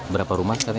berapa rumah sekarang